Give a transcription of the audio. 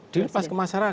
dilepas ke masyarakat